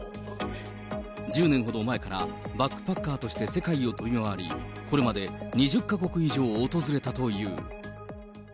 １０年ほど前からバックパッカーとして世界を飛び回り、これまで、２０か国以上を訪れたという。